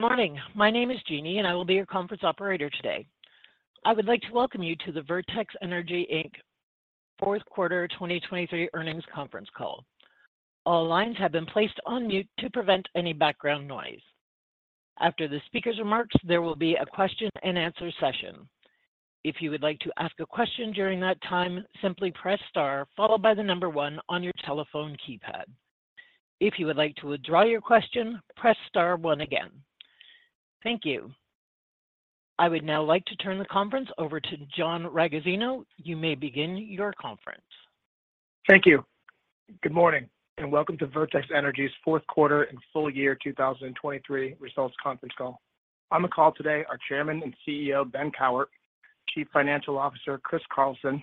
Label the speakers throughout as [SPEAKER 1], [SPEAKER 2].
[SPEAKER 1] Good morning. My name is Jeannie, and I will be your conference operator today. I would like to welcome you to the Vertex Energy Inc. Q4 2023 earnings conference call. All lines have been placed on mute to prevent any background noise. After the speaker's remarks, there will be a question-and-answer session. If you would like to ask a question during that time, simply press star, followed by the number one on your telephone keypad. If you would like to withdraw your question, press star one again. Thank you. I would now like to turn the conference over to John Ragozzino. You may begin your conference.
[SPEAKER 2] Thank you. Good morning, and welcome to Vertex Energy's Q4 and full year 2023 results conference call. On the call today, our Chairman and CEO, Ben Cowart, Chief Financial Officer, Chris Carlson,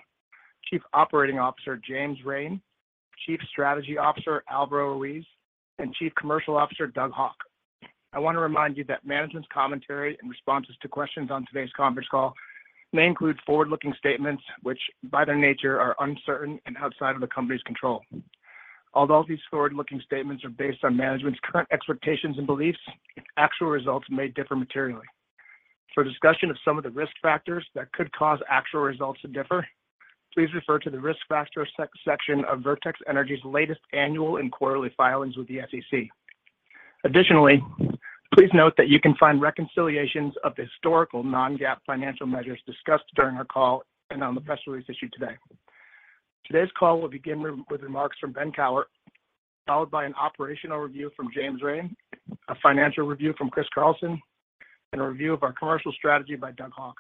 [SPEAKER 2] Chief Operating Officer, James Rhame, Chief Strategy Officer, Alvaro Ruiz, and Chief Commercial Officer, Doug Haugh. I want to remind you that management's commentary and responses to questions on today's conference call may include forward-looking statements, which, by their nature, are uncertain and outside of the company's control. Although these forward-looking statements are based on management's current expectations and beliefs, actual results may differ materially. For discussion of some of the risk factors that could cause actual results to differ, please refer to the risk factor section of Vertex Energy's latest annual and quarterly filings with the SEC. Additionally, please note that you can find reconciliations of the historical non-GAAP financial measures discussed during our call and on the press release issued today. Today's call will begin with remarks from Ben Cowart, followed by an operational review from James Rhame, a financial review from Chris Carlson, and a review of our commercial strategy by Doug Haugh.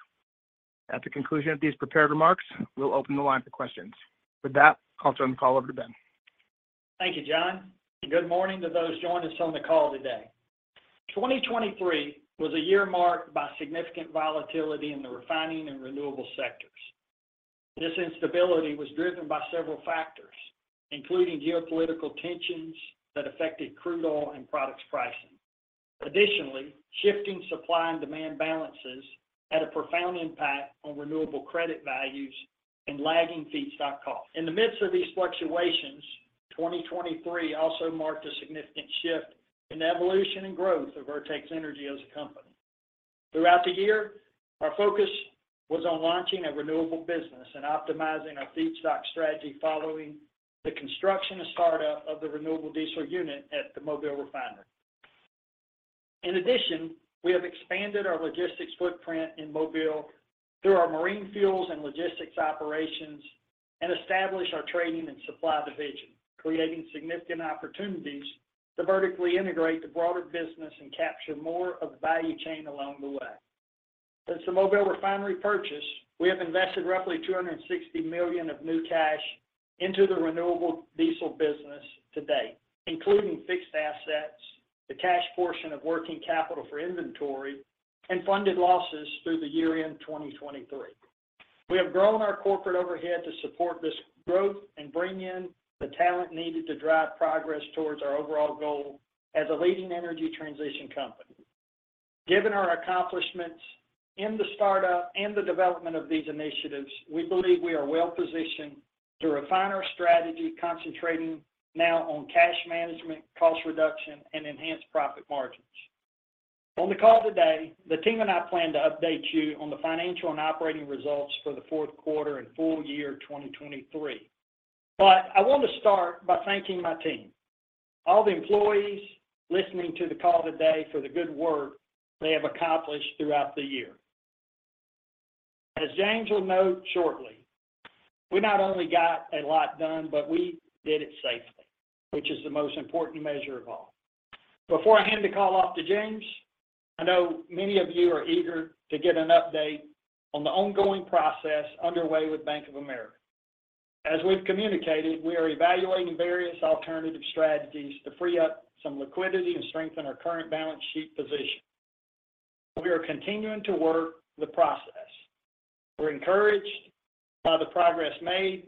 [SPEAKER 2] At the conclusion of these prepared remarks, we'll open the line for questions. With that, I'll turn the call over to Ben.
[SPEAKER 3] Thank you, John, and good morning to those joining us on the call today. 2023 was a year marked by significant volatility in the refining and renewable sectors. This instability was driven by several factors, including geopolitical tensions that affected crude oil and products pricing. Additionally, shifting supply and demand balances had a profound impact on renewable credit values and lagging feedstock costs. In the midst of these fluctuations, 2023 also marked a significant shift in evolution and growth of Vertex Energy as a company. Throughout the year, our focus was on launching a renewable business and optimizing our feedstock strategy following the construction and startup of the renewable diesel unit at the Mobile Refinery. In addition, we have expanded our logistics footprint in Mobile through our marine fuels and logistics operations and established our trading and supply division, creating significant opportunities to vertically integrate the broader business and capture more of the value chain along the way. Since the Mobile Refinery purchase, we have invested roughly $260 million of new cash into the renewable diesel business to date, including fixed assets, the cash portion of working capital for inventory, and funded losses through the year-end 2023. We have grown our corporate overhead to support this growth and bring in the talent needed to drive progress towards our overall goal as a leading energy transition company. Given our accomplishments in the startup and the development of these initiatives, we believe we are well positioned to refine our strategy, concentrating now on cash management, cost reduction, and enhanced profit margins. On the call today, the team and I plan to update you on the financial and operating results for the Q4 and full year 2023. But I want to start by thanking my team, all the employees listening to the call today for the good work they have accomplished throughout the year. As James will note shortly, we not only got a lot done, but we did it safely, which is the most important measure of all. Before I hand the call off to James, I know many of you are eager to get an update on the ongoing process underway with Bank of America. As we've communicated, we are evaluating various alternative strategies to free up some liquidity and strengthen our current balance sheet position. We are continuing to work the process. We're encouraged by the progress made,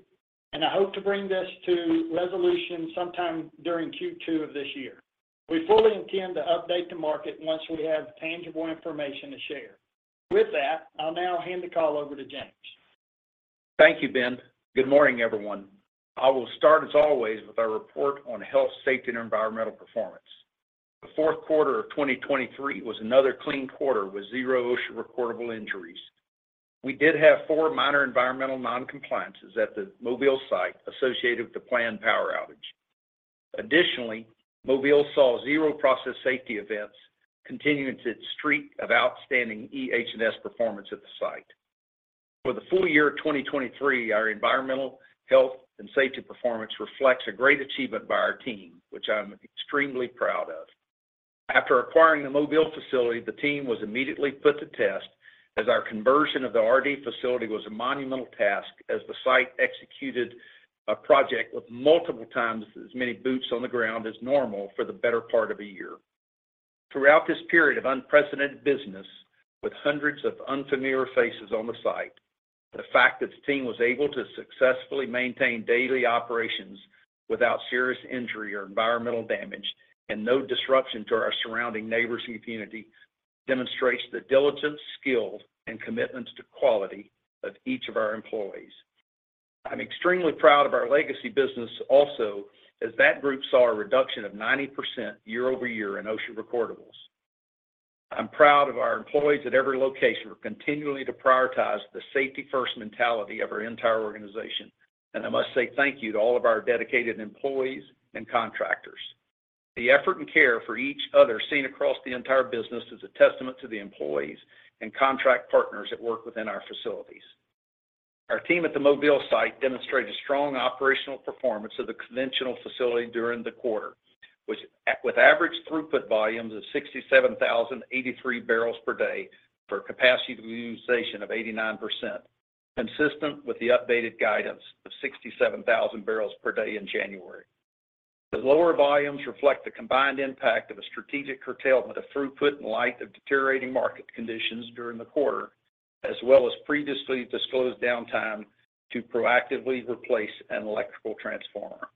[SPEAKER 3] and I hope to bring this to resolution sometime during Q2 of this year. We fully intend to update the market once we have tangible information to share. With that, I'll now hand the call over to James.
[SPEAKER 4] Thank you, Ben. Good morning, everyone. I will start, as always, with our report on health, safety, and environmental performance. The Q4 of 2023 was another clean quarter with zero OSHA Recordable injuries. We did have four minor environmental non-compliances at the Mobile site associated with the planned power outage. Additionally, Mobile saw zero process safety events, continuing its streak of outstanding EH&S performance at the site. For the full year of 2023, our environmental, health, and safety performance reflects a great achievement by our team, which I'm extremely proud of. After acquiring the Mobile facility, the team was immediately put to test as our conversion of the RD facility was a monumental task as the site executed a project with multiple times as many boots on the ground as normal for the better part of a year. Throughout this period of unprecedented business, with hundreds of unfamiliar faces on the site, the fact that the team was able to successfully maintain daily operations without serious injury or environmental damage, and no disruption to our surrounding neighbors and community, demonstrates the diligence, skill, and commitment to quality of each of our employees. I'm extremely proud of our legacy business also, as that group saw a reduction of 90% year-over-year in OSHA recordables. I'm proud of our employees at every location continually to prioritize the safety-first mentality of our entire organization, and I must say thank you to all of our dedicated employees and contractors. The effort and care for each other seen across the entire business is a testament to the employees and contract partners that work within our facilities. Our team at the Mobile site demonstrated a strong operational performance of the conventional facility during the quarter, which, with average throughput volumes of 67,083 barrels per day for capacity utilization of 89%, consistent with the updated guidance of 67,000 barrels per day in January. The lower volumes reflect the combined impact of a strategic curtailment of throughput in light of deteriorating market conditions during the quarter, as well as previously disclosed downtime to proactively replace an electrical transformer.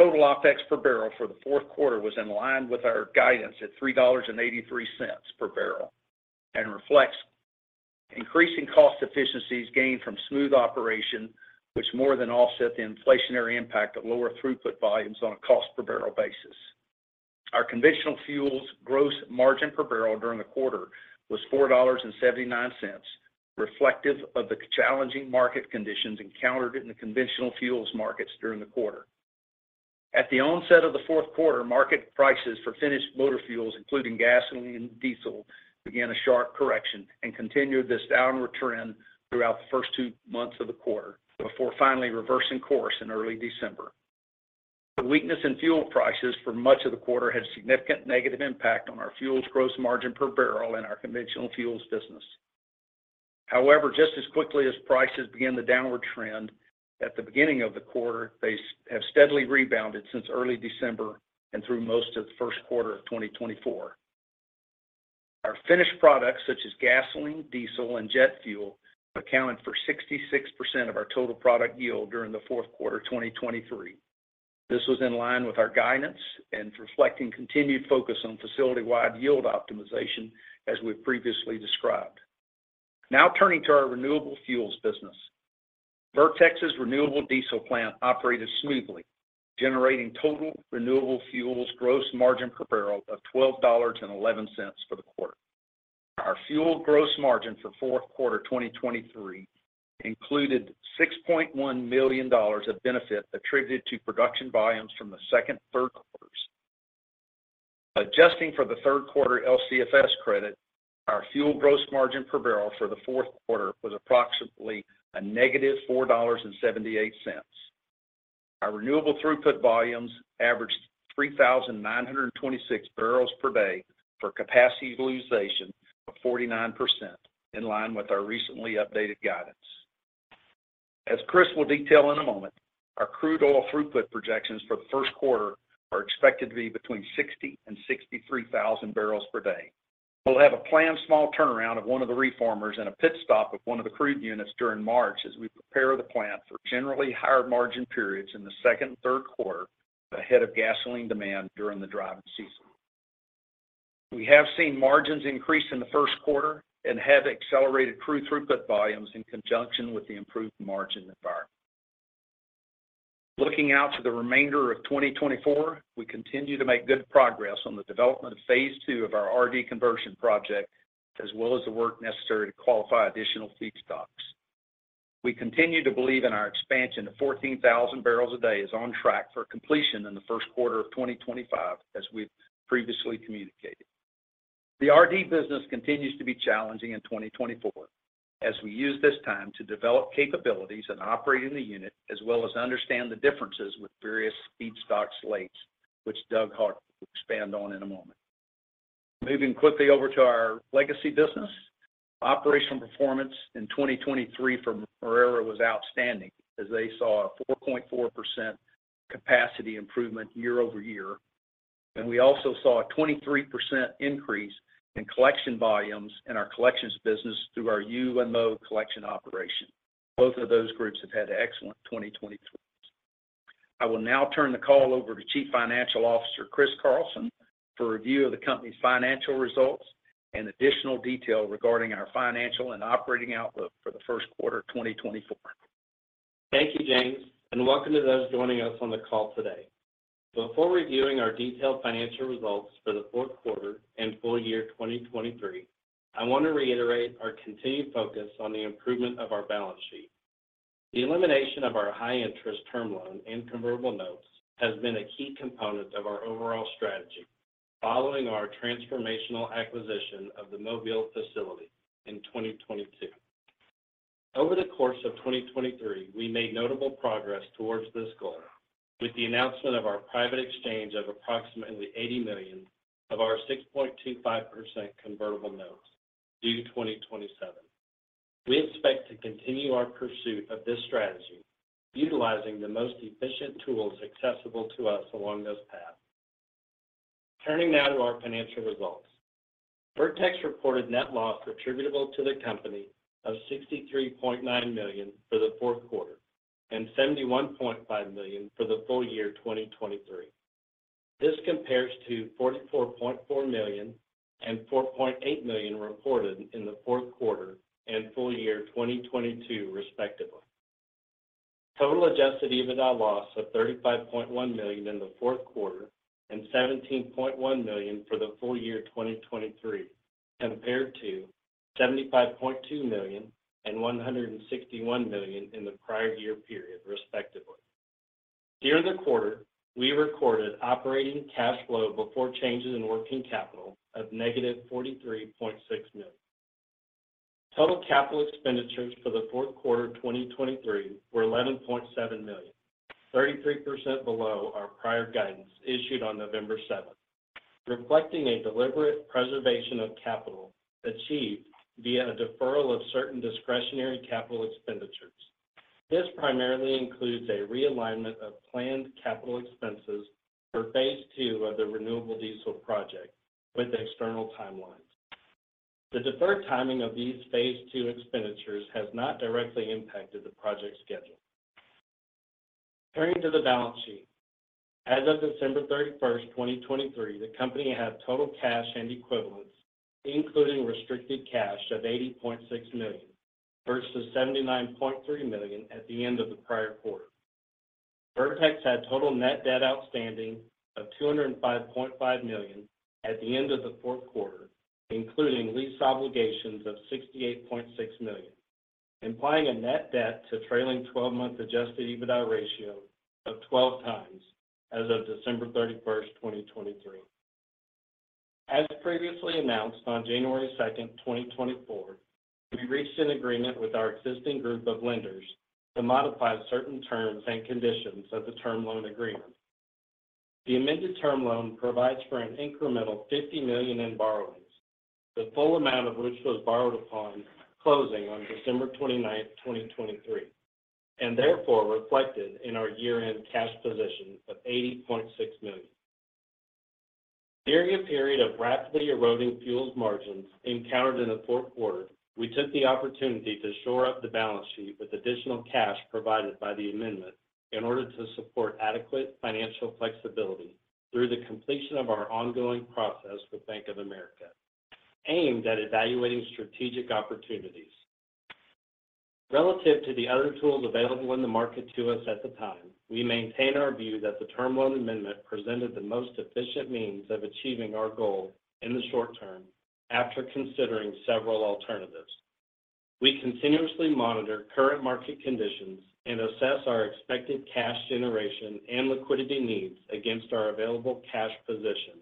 [SPEAKER 4] Total OpEx per barrel for the Q4 was in line with our guidance at $3.83 per barrel, and reflects increasing cost efficiencies gained from smooth operation, which more than offset the inflationary impact of lower throughput volumes on a cost per barrel basis. Our conventional fuels gross margin per barrel during the quarter was $4.79, reflective of the challenging market conditions encountered in the conventional fuels markets during the quarter. At the onset of the Q4, market prices for finished motor fuels, including gasoline and diesel, began a sharp correction and continued this downward trend throughout the first two months of the quarter, before finally reversing course in early December. The weakness in fuel prices for much of the quarter had a significant negative impact on our fuels gross margin per barrel in our conventional fuels business. However, just as quickly as prices began the downward trend at the beginning of the quarter, they have steadily rebounded since early December and through most of the Q1 of 2024. Our finished products, such as gasoline, diesel, and jet fuel, accounted for 66% of our total product yield during the Q4 of 2023. This was in line with our guidance and reflecting continued focus on facility-wide yield optimization, as we've previously described. Now, turning to our renewable fuels business. Vertex's renewable diesel plant operated smoothly, generating total renewable fuels gross margin per barrel of $12.11 for the quarter. Our fuel gross margin for Q4 2023 included $6.1 million of benefit attributed to production volumes from the second and Q3s. Adjusting for the Q3 LCFS credit, our fuel gross margin per barrel for the Q4 was approximately -$4.78. Our renewable throughput volumes averaged 3,926 barrels per day for capacity utilization of 49%, in line with our recently updated guidance. As Chris will detail in a moment, our crude oil throughput projections for the Q1 are expected to be between 60,000 and 63,000 barrels per day. We'll have a planned small turnaround of one of the reformers and a pit stop of one of the crude units during March as we prepare the plant for generally higher margin periods in the Q2 and Q3, ahead of gasoline demand during the driving season. We have seen margins increase in the Q1 and have accelerated crude throughput volumes in conjunction with the improved margin environment. Looking out to the remainder of 2024, we continue to make good progress on the development of phase II of our RD conversion project, as well as the work necessary to qualify additional feedstocks. We continue to believe in our expansion to 14,000 barrels a day is on track for completion in the Q1 of 2025, as we've previously communicated. The RD business continues to be challenging in 2024 as we use this time to develop capabilities and operate in the unit, as well as understand the differences with various feedstock slates, which Doug Haugh will expand on in a moment. Moving quickly over to our legacy business. Operational performance in 2023 for Marrero was outstanding, as they saw a 4.4% capacity improvement year-over-year, and we also saw a 23% increase in collection volumes in our collections business through our UMO collection operation. Both of those groups have had an excellent 2023. I will now turn the call over to Chief Financial Officer Chris Carlson, for a review of the company's financial results and additional detail regarding our financial and operating outlook for the Q1 of 2024.
[SPEAKER 5] Thank you, James, and welcome to those joining us on the call today. Before reviewing our detailed financial results for the Q4 and full year 2023, I want to reiterate our continued focus on the improvement of our balance sheet. The elimination of our high interest term loan and convertible notes has been a key component of our overall strategy, following our transformational acquisition of the Mobile facility in 2022. Over the course of 2023, we made notable progress towards this goal with the announcement of our private exchange of approximately $80 million of our 6.25% convertible notes due 2027. We expect to continue our pursuit of this strategy, utilizing the most efficient tools accessible to us along this path. Turning now to our financial results. Vertex reported net loss attributable to the company of $63.9 million for the Q4 and $71.5 million for the full year 2023. This compares to $44.4 million and $4.8 million reported in the Q4 and full year 2022, respectively. Total Adjusted EBITDA loss of $35.1 million in the Q4 and $17.1 million for the full year 2023, compared to $75.2 million and $161 million in the prior year period, respectively. During the quarter, we recorded operating cash flow before changes in working capital of -$43.6 million. Total capital expenditures for the Q4 of 2023 were $11.7 million, 33% below our prior guidance issued on November 7th, reflecting a deliberate preservation of capital achieved via a deferral of certain discretionary capital expenditures. This primarily includes a realignment of planned capital expenses for phase II of the renewable diesel project with external timelines. The deferred timing of these phase II expenditures has not directly impacted the project schedule. Turning to the balance sheet. As of December 31st, 2023, the company had total cash and equivalents, including restricted cash, of $80.6 million, versus $79.3 million at the end of the prior quarter. Vertex had total net debt outstanding of $205.5 million at the end of the Q4, including lease obligations of $68.6 million, implying a net debt to trailing twelve-month Adjusted EBITDA ratio of 12x as of December 31st, 2023. As previously announced on January 2nd, 2024, we reached an agreement with our existing group of lenders to modify certain terms and conditions of the term loan agreement. The amended term loan provides for an incremental $50 million in borrowings, the full amount of which was borrowed upon closing on December 29th, 2023, and therefore reflected in our year-end cash position of $80.6 million. During a period of rapidly eroding fuels margins encountered in the Q4, we took the opportunity to shore up the balance sheet with additional cash provided by the amendment in order to support adequate financial flexibility through the completion of our ongoing process with Bank of America, aimed at evaluating strategic opportunities. Relative to the other tools available in the market to us at the time, we maintain our view that the term loan amendment presented the most efficient means of achieving our goal in the short term after considering several alternatives. We continuously monitor current market conditions and assess our expected cash generation and liquidity needs against our available cash position,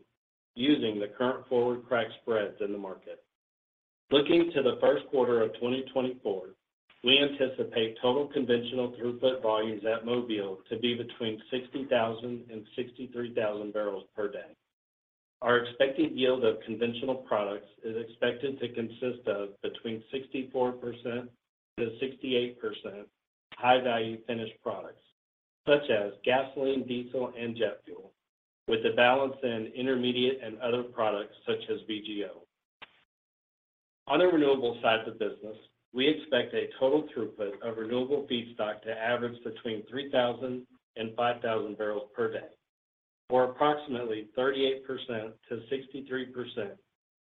[SPEAKER 5] using the current forward crack spreads in the market. Looking to the Q1 of 2024, we anticipate total conventional throughput volumes at Mobile to be between 60,000 and 63,000 barrels per day. Our expected yield of conventional products is expected to consist of between 64%-68% high-value finished products, such as gasoline, diesel, and jet fuel, with the balance in intermediate and other products, such as VGO. On the renewable side of the business, we expect a total throughput of renewable feedstock to average between 3,000 and 5,000 barrels per day, or approximately 38%-63%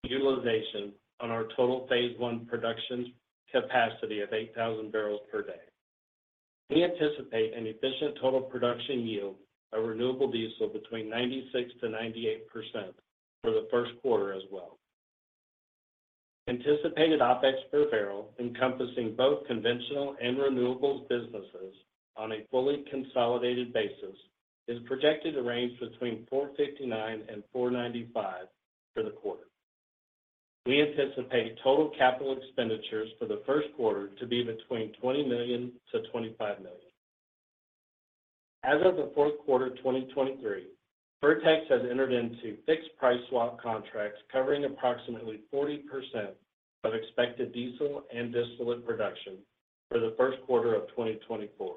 [SPEAKER 5] utilization on our total phase I production capacity of 8,000 barrels per day. We anticipate an efficient total production yield of renewable diesel between 96%-98% for the Q1 as well. Anticipated OpEx per barrel, encompassing both conventional and renewables businesses on a fully consolidated basis, is projected to range between $4.59-$4.95 for the quarter. We anticipate total capital expenditures for the Q1 to be between $20 million-$25 million. As of the Q4 of 2023, Vertex has entered into fixed price swap contracts covering approximately 40% of expected diesel and distillate production for the Q1 of 2024,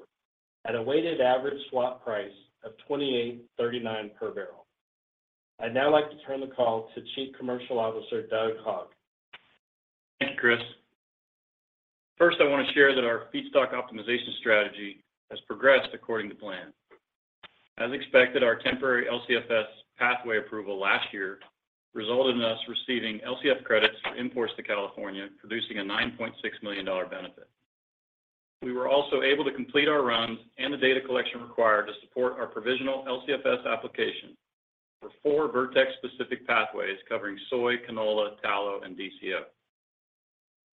[SPEAKER 5] at a weighted average swap price of $28.39 per barrel. I'd now like to turn the call to Chief Commercial Officer, Doug Haugh.
[SPEAKER 6] Thanks, Chris. First, I want to share that our feedstock optimization strategy has progressed according to plan. As expected, our temporary LCFS pathway approval last year resulted in us receiving LCFS credits for imports to California, producing a $9.6 million benefit. We were also able to complete our runs and the data collection required to support our provisional LCFS application for four Vertex-specific pathways covering soy, canola, tallow, and DCO.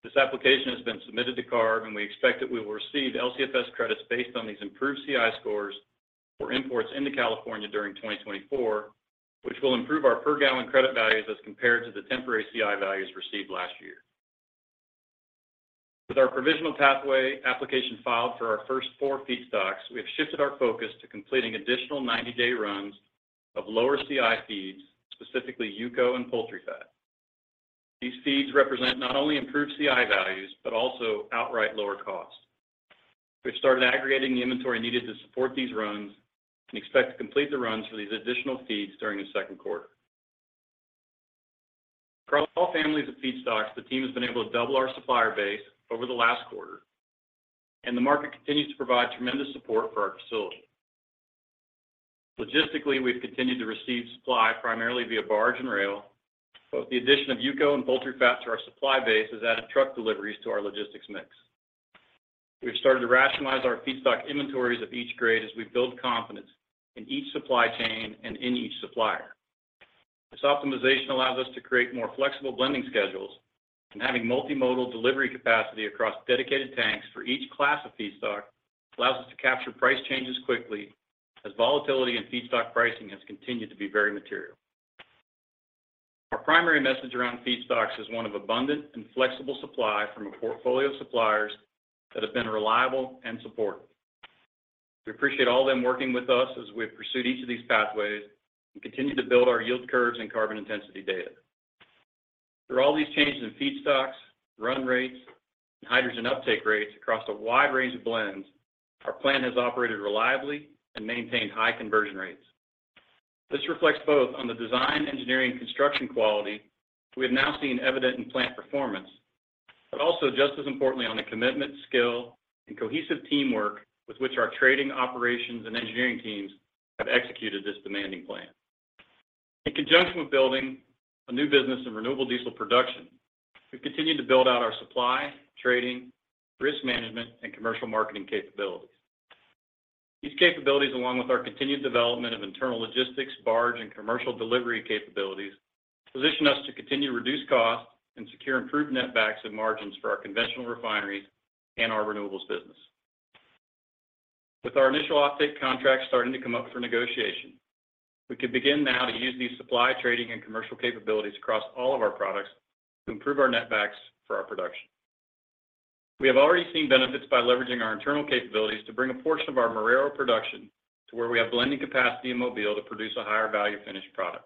[SPEAKER 6] This application has been submitted to CARB, and we expect that we will receive LCFS credits based on these improved CI scores for imports into California during 2024, which will improve our per gallon credit values as compared to the temporary CI values received last year. With our provisional pathway application filed for our first four feedstocks, we have shifted our focus to completing additional 90-day runs of lower CI feeds, specifically UCO and poultry fat. These feeds represent not only improved CI values, but also outright lower costs. We've started aggregating the inventory needed to support these runs and expect to complete the runs for these additional feeds during the Q2. Across all families of feedstocks, the team has been able to double our supplier base over the last quarter, and the market continues to provide tremendous support for our facility. Logistically, we've continued to receive supply primarily via barge and rail, but with the addition of UCO and poultry fat to our supply base has added truck deliveries to our logistics mix. We've started to rationalize our feedstock inventories of each grade as we build confidence in each supply chain and in each supplier. This optimization allows us to create more flexible blending schedules, and having multimodal delivery capacity across dedicated tanks for each class of feedstock allows us to capture price changes quickly, as volatility in feedstock pricing has continued to be very material. Our primary message around feedstocks is one of abundant and flexible supply from a portfolio of suppliers that have been reliable and supportive. We appreciate all of them working with us as we have pursued each of these pathways and continue to build our yield curves and carbon intensity data. Through all these changes in feedstocks, run rates, and hydrogen uptake rates across a wide range of blends, our plant has operated reliably and maintained high conversion rates. This reflects both on the design, engineering, and construction quality we have now seen evident in plant performance, but also, just as importantly, on the commitment, skill, and cohesive teamwork with which our trading operations and engineering teams have executed this demanding plan. In conjunction with building a new business in renewable diesel production, we've continued to build out our supply, trading, risk management, and commercial marketing capabilities. These capabilities, along with our continued development of internal logistics, barge, and commercial delivery capabilities, position us to continue to reduce costs and secure improved netbacks and margins for our conventional refineries and our renewables business. With our initial offtake contracts starting to come up for negotiation, we can begin now to use these supply, trading, and commercial capabilities across all of our products to improve our netbacks for our production. We have already seen benefits by leveraging our internal capabilities to bring a portion of our Marrero production to where we have blending capacity in Mobile to produce a higher value finished product.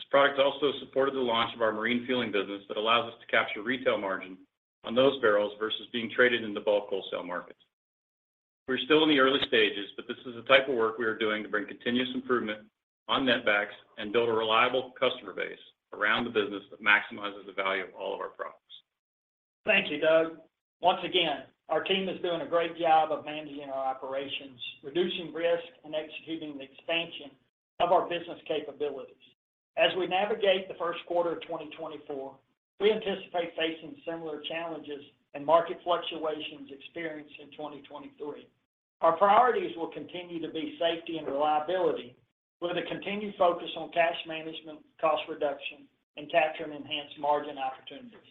[SPEAKER 6] This product also supported the launch of our marine fueling business that allows us to capture retail margin on those barrels versus being traded in the bulk wholesale markets. We're still in the early stages, but this is the type of work we are doing to bring continuous improvement on netbacks and build a reliable customer base around the business that maximizes the value of all of our products.
[SPEAKER 3] Thank you, Doug. Once again, our team is doing a great job of managing our operations, reducing risk, and executing the expansion of our business capabilities. As we navigate the Q1 of 2024, we anticipate facing similar challenges and market fluctuations experienced in 2023. Our priorities will continue to be safety and reliability, with a continued focus on cash management, cost reduction, and capturing enhanced margin opportunities.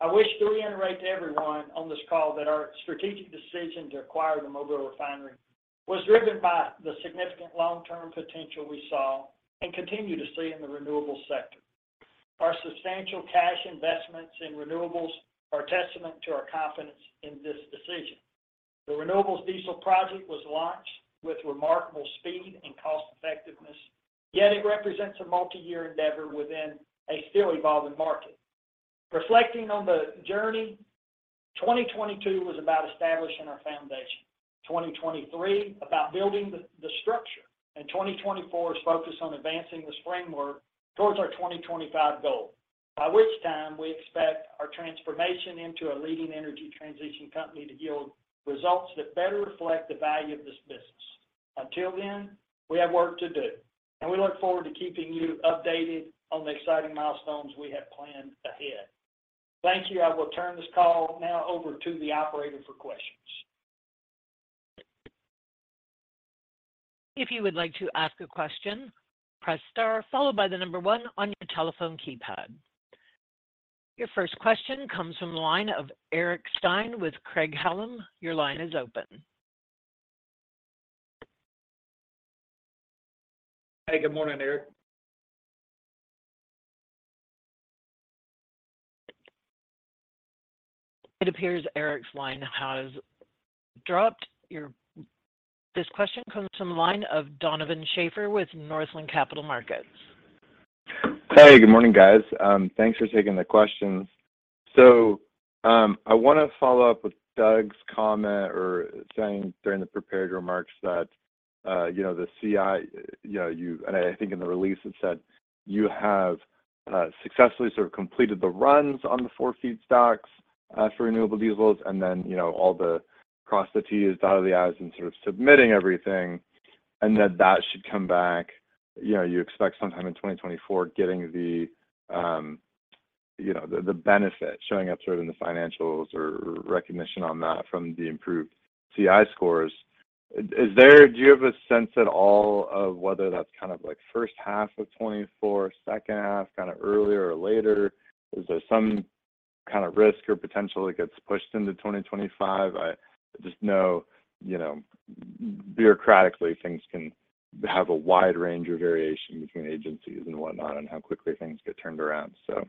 [SPEAKER 3] I wish to reiterate to everyone on this call that our strategic decision to acquire the Mobile Refinery was driven by the significant long-term potential we saw and continue to see in the renewables sector. Our substantial cash investments in renewables are testament to our confidence in this decision. The renewable diesel project was launched with remarkable speed and cost effectiveness, yet it represents a multi-year endeavor within a still evolving market. Reflecting on the journey, 2022 was about establishing our foundation, 2023 about building the structure, and 2024 is focused on advancing this framework towards our 2025 goal, by which time we expect our transformation into a leading energy transition company to yield results that better reflect the value of this business. Until then, we have work to do, and we look forward to keeping you updated on the exciting milestones we have planned ahead. Thank you. I will turn this call now over to the operator for questions.
[SPEAKER 1] If you would like to ask a question, press star followed by the number one on your telephone keypad. Your first question comes from the line of Eric Stine with Craig-Hallum. Your line is open.
[SPEAKER 6] Hey, good morning, Eric.
[SPEAKER 1] It appears Eric's line has dropped. This question comes from the line of Donovan Schafer with Northland Capital Markets.
[SPEAKER 7] Hey, good morning, guys. Thanks for taking the questions. I wanna follow up with Doug's comment or saying during the prepared remarks that, you know, the CI, you know, and I think in the release, it said you have successfully sort of completed the runs on the four feedstocks for renewable diesels, and then, you know, all the cross the t's, dot the i's, and sort of submitting everything, and that that should come back. You know, you expect sometime in 2024, getting the, you know, the, the benefit showing up sort of in the financials or, or recognition on that from the improved CI scores. Do you have a sense at all of whether that's kind of like H1 of 2024, H2, kind of earlier or later? Is there some kind of risk or potential it gets pushed into 2025? I just know, you know, bureaucratically, things can have a wide range of variation between agencies and whatnot, and how quickly things get turned around. So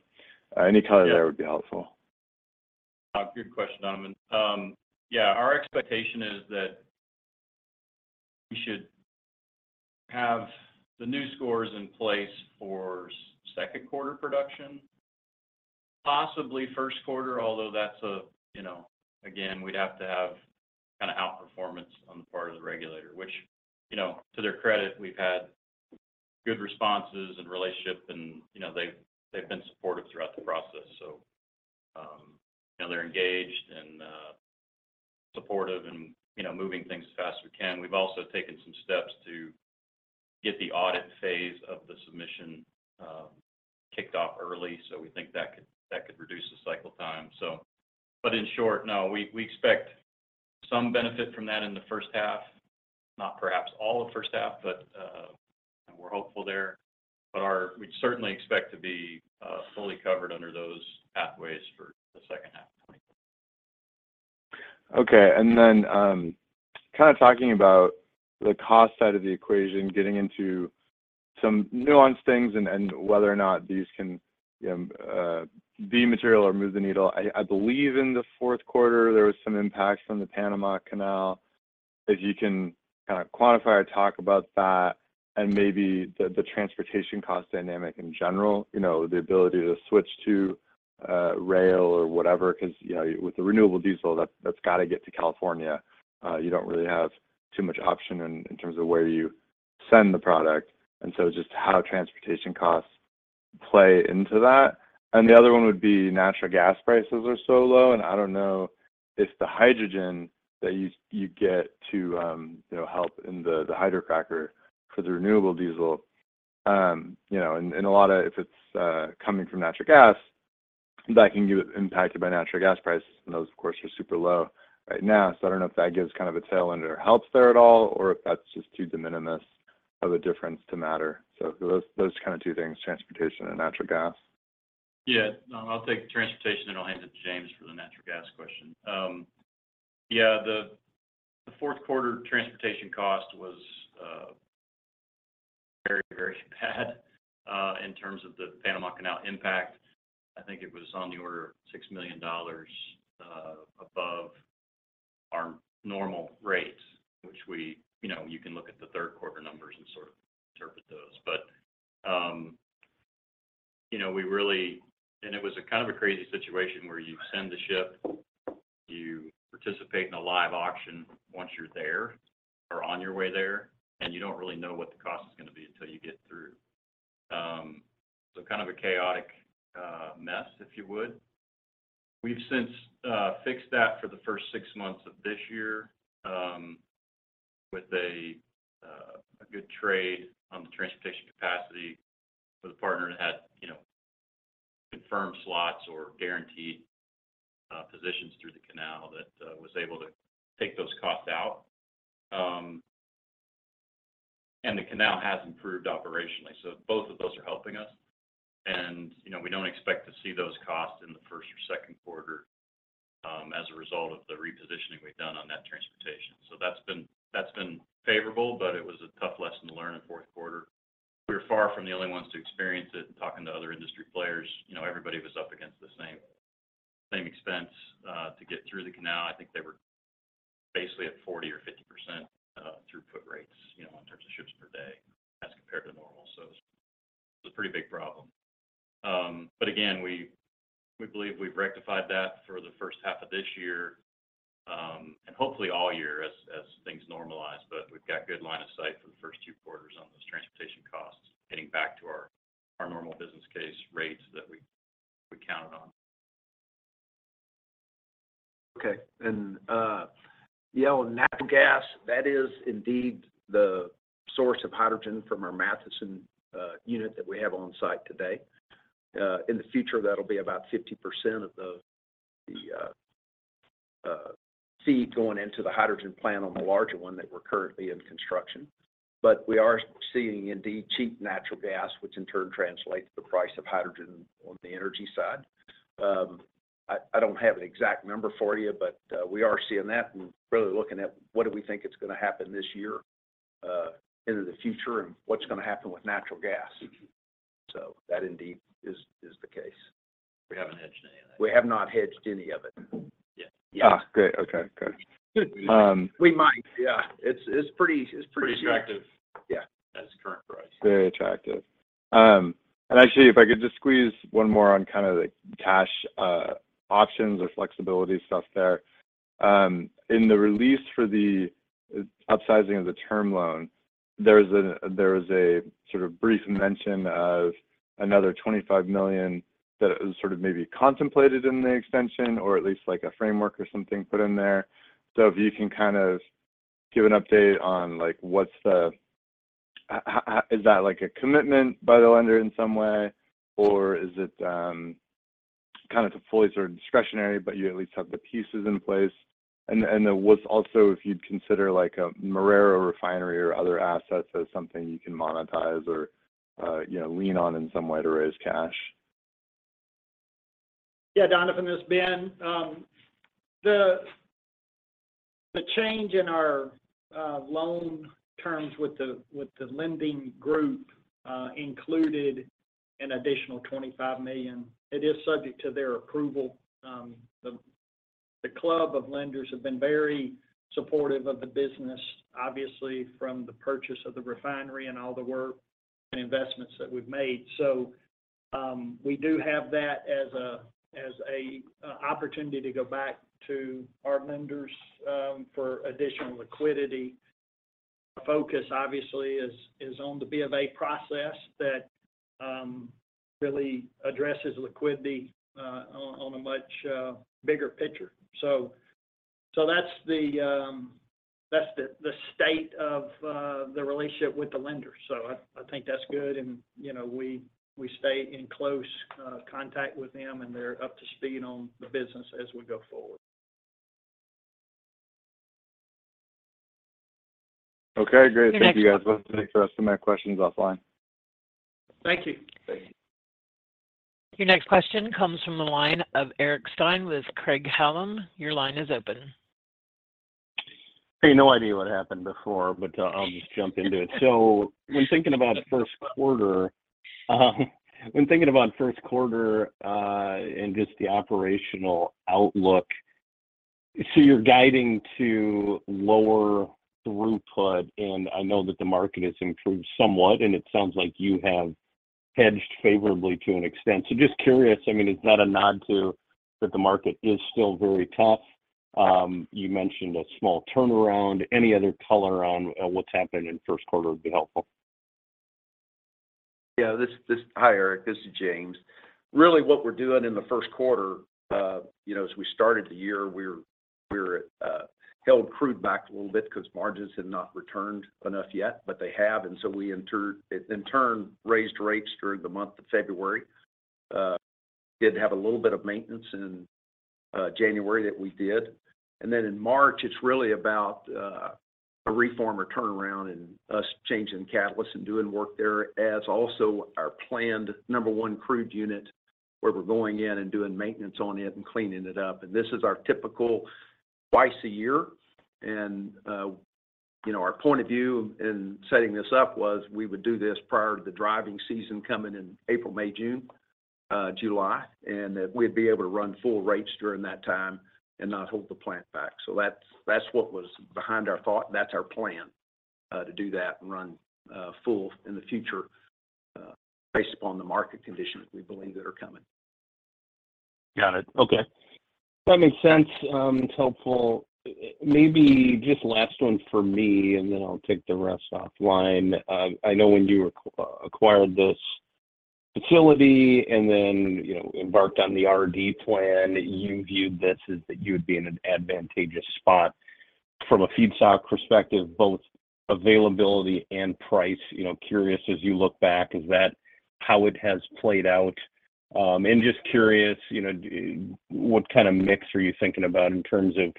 [SPEAKER 7] any color there would be helpful.
[SPEAKER 6] Good question, Donovan. Yeah, our expectation is that we should have the new scores in place for Q2 production. Possibly Q1, although that's a, you know, again, we'd have to have kind of outperformance on the part of the regulator, which, you know, to their credit, we've had good responses and relationship and, you know, they've, they've been supportive throughout the process. So, you know, they're engaged and supportive and, you know, moving things as fast as we can. We've also taken some steps to get the audit phase of the submission kicked off early, so we think that could, that could reduce the cycle time. So, but in short, no, we, we expect some benefit from that in the H1, not perhaps all the H1, but, we're hopeful there. But our—we'd certainly expect to be fully covered under those pathways for the H2 of 2024.
[SPEAKER 7] Okay. And then, kind of talking about the cost side of the equation, getting into some nuanced things and whether or not these can be material or move the needle. I believe in the Q4, there was some impacts from the Panama Canal. If you can kind of quantify or talk about that and maybe the transportation cost dynamic in general, you know, the ability to switch to rail or whatever, 'cause, you know, with the renewable diesel, that's got to get to California. You don't really have too much option in terms of where you send the product, and so just how transportation costs play into that. The other one would be natural gas prices are so low, and I don't know if the hydrogen that you, you get to, you know, help in the, the hydrocracker for the renewable diesel, you know, and, and a lot of if it's coming from natural gas, that can be impacted by natural gas prices, and those, of course, are super low right now. I don't know if that gives kind of a tailwind or helps there at all, or if that's just too de minimis of a difference to matter. Those, those kind of two things, transportation and natural gas.
[SPEAKER 6] Yeah. No, I'll take the transportation, and I'll hand it to James for the natural gas question. Yeah, the Q4 transportation cost was very, very bad in terms of the Panama Canal impact. I think it was on the order of $6 million above our normal rates, which we... You know, you can look at the Q3 numbers and sort of interpret those. But you know, we really, and it was a kind of a crazy situation where you send the ship, you participate in a live auction once you're there or on your way there, and you don't really know what the cost is gonna be until you get through. So kind of a chaotic mess, if you would. We've since fixed that for the first six months of this year, with a good trade on the transportation capacity with a partner that had, you know, confirmed slots or guaranteed positions through the canal that was able to take those costs out. And the canal has improved operationally, so both of those are helping us. And, you know, we don't expect to see those costs in the first or Q2, as a result of the repositioning we've done on that transportation. So that's been favorable, but it was a tough lesson to learn in Q4. We're far from the only ones to experience it. In talking to other industry players, you know, everybody was up against the same expense to get through the canal. I think they were basically at 40% or 50%, you know, throughput rates in terms of ships per day as compared to normal. So it was a pretty big problem. But again, we, we believe we've rectified that for the H1 of this year, and hopefully all year as, as things normalize. But we've got good line of sight for the first two quarters on those transportation costs, getting back to our, our normal business case rates that we, we counted on.
[SPEAKER 4] Okay. Yeah, on natural gas, that is indeed the source of hydrogen from our Matheson unit that we have on site today. In the future, that'll be about 50% of the feed going into the hydrogen plant on the larger one that we're currently in construction. But we are seeing indeed cheap natural gas, which in turn translates to the price of hydrogen on the energy side. I don't have an exact number for you, but we are seeing that and really looking at what do we think it's gonna happen this year, into the future and what's gonna happen with natural gas. So that indeed is the case.
[SPEAKER 6] We haven't hedged any of that.
[SPEAKER 4] We have not hedged any of it. Yeah.
[SPEAKER 7] Ah, great. Okay, good.
[SPEAKER 6] We might, yeah. It's pretty cheap.
[SPEAKER 4] Attractive.
[SPEAKER 6] Yeah at its current price.
[SPEAKER 7] Very attractive. And actually, if I could just squeeze one more on kind of the cash options or flexibility stuff there. In the release for the upsizing of the term loan, there was a sort of brief mention of another $25 million that it was sort of maybe contemplated in the extension or at least like a framework or something put in there. So if you can kind of give an update on, like, what's the, how is that like a commitment by the lender in some way, or is it kind of fully sort of discretionary, but you at least have the pieces in place? And, what's also if you'd consider like a Marrero Refinery or other assets as something you can monetize or, you know, lean on in some way to raise cash?
[SPEAKER 3] Yeah, Donovan, it's Ben. The change in our loan terms with the lending group included an additional $25 million. It is subject to their approval. The club of lenders have been very supportive of the business, obviously, from the purchase of the refinery and all the work and investments that we've made. So, we do have that as a opportunity to go back to our lenders for additional liquidity. Our focus, obviously, is on the B of A process that really addresses liquidity on a much bigger picture. So that's the state of the relationship with the lenders. So I think that's good, and you know, we stay in close contact with them, and they're up to speed on the business as we go forward.
[SPEAKER 7] Okay, great.
[SPEAKER 1] Your next-
[SPEAKER 7] Thank you, guys. We'll take the rest of my questions offline.
[SPEAKER 3] Thank you.
[SPEAKER 7] Thank you.
[SPEAKER 1] Your next question comes from the line of Eric Stine with Craig-Hallum. Your line is open.
[SPEAKER 8] Hey, no idea what happened before, but, I'll just jump into it. So when thinking about Q1, and just the operational outlook, so you're guiding to lower throughput, and I know that the market has improved somewhat, and it sounds like you have hedged favorably to an extent. So just curious, I mean, is that a nod to that the market is still very tough? You mentioned a small turnaround. Any other color around, what's happening in Q1 would be helpful.
[SPEAKER 4] Yeah, Hi, Eric, this is James. Really, what we're doing in the Q1, you know, as we started the year, we're held crude back a little bit 'cause margins had not returned enough yet, but they have, and so we in turn raised rates during the month of February. Did have a little bit of maintenance in January that we did. Then in March, it's really about a reformer turnaround and us changing catalysts and doing work there, as also our planned number one crude unit, where we're going in and doing maintenance on it and cleaning it up. This is our typical twice a year. You know, our point of view in setting this up was we would do this prior to the driving season coming in April, May, June, July, and that we'd be able to run full rates during that time and not hold the plant back. So that's, that's what was behind our thought. That's our plan, to do that and run full in the future, based upon the market conditions we believe that are coming.
[SPEAKER 8] Got it. Okay. That makes sense. It's helpful. Maybe just last one for me, and then I'll take the rest offline. I know when you acquired this facility and then, you know, embarked on the RD plan, you viewed this as that you would be in an advantageous spot from a feedstock perspective, both availability and price. You know, curious, as you look back, is that how it has played out? And just curious, you know, what kind of mix are you thinking about in terms of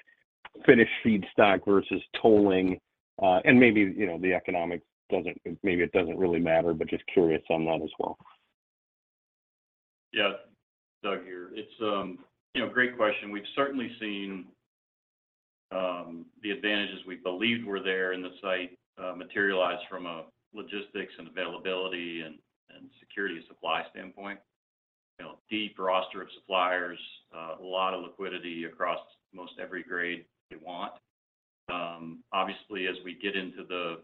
[SPEAKER 8] finished feedstock versus tolling? And maybe, you know, the economics doesn't, maybe it doesn't really matter, but just curious on that as well.
[SPEAKER 6] Yeah. Doug here. It's, you know, great question. We've certainly seen the advantages we believed were there in the site materialize from a logistics and availability and security supply standpoint. You know, deep roster of suppliers, a lot of liquidity across most every grade you want. Obviously, as we get into the,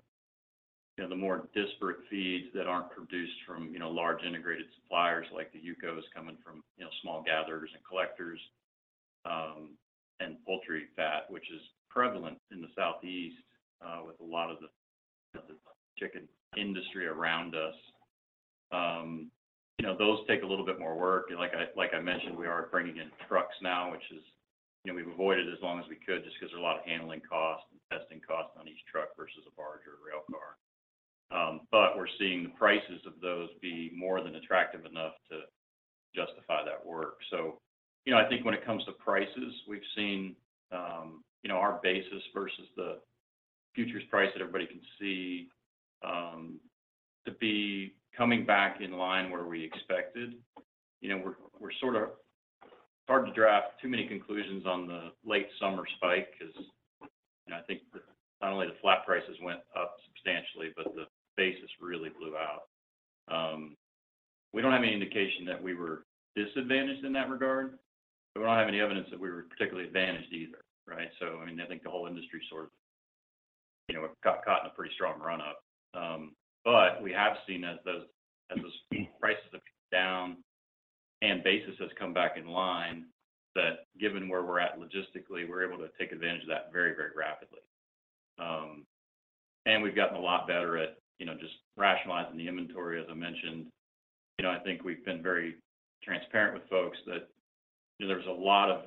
[SPEAKER 6] you know, the more disparate feeds that aren't produced from, you know, large integrated suppliers, like the UCOs coming from, you know, small gatherers and collectors, and poultry fat, which is prevalent in the Southeast, with a lot of the chicken industry around us. You know, those take a little bit more work. Like I mentioned, we are bringing in trucks now, which is, you know, we've avoided as long as we could just 'cause there are a lot of handling costs and testing costs on each truck versus a barge or a rail car. But we're seeing the prices of those be more than attractive enough to justify that work. So, you know, I think when it comes to prices, we've seen, you know, our basis versus the futures price that everybody can see, to be coming back in line where we expected. You know, we're sort of hard to draw too many conclusions on the late summer spike, 'cause, you know, I think not only the flat prices went up substantially, but the basis really blew out. We don't have any indication that we were disadvantaged in that regard, but we don't have any evidence that we were particularly advantaged either, right? So, I mean, I think the whole industry sort of, you know, got caught in a pretty strong run-up. But we have seen as those, as those prices have come down and basis has come back in line, that given where we're at logistically, we're able to take advantage of that very, very rapidly. And we've gotten a lot better at, you know, just rationalizing the inventory, as I mentioned. You know, I think we've been very transparent with folks that, you know, there was a lot of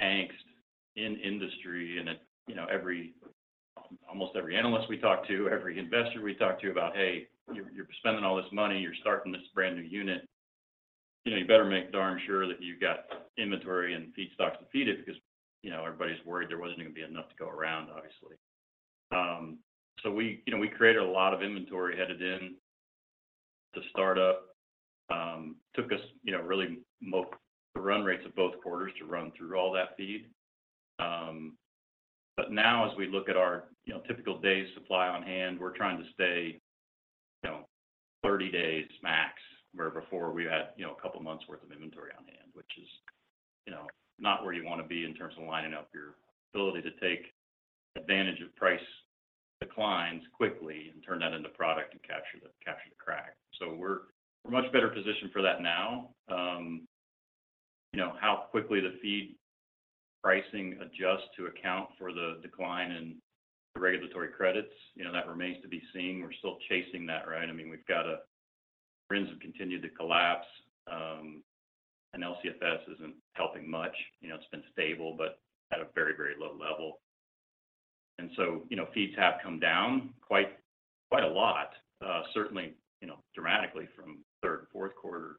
[SPEAKER 6] angst in industry, and it, you know, almost every analyst we talk to, every investor we talk to about, hey, you're, you're spending all this money, you're starting this brand-new unit, you know, you better make darn sure that you've got inventory and feedstock to feed it, because, you know, everybody's worried there wasn't going to be enough to go around, obviously. So we, you know, we created a lot of inventory headed in to start up. Took us, you know, really the run rates of both quarters to run through all that feed. But now as we look at our, you know, typical days supply on hand, we're trying to stay, you know, 30 days max, where before we had, you know, a couple of months worth of inventory on hand, which is, you know, not where you want to be in terms of lining up your ability to take advantage of price declines quickly and turn that into product and capture the, capture the crack. So we're, we're much better positioned for that now. You know, how quickly the feed pricing adjusts to account for the decline in the regulatory credits, you know, that remains to be seen. We're still chasing that, right? I mean, we've got to, RINs have continued to collapse, and LCFS isn't helping much. You know, it's been stable, but at a very, very low level. So, you know, feeds have come down quite, quite a lot, certainly, you know, dramatically from Q3 and Q4,